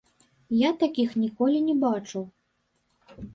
Я такіх ніколі не бачыў.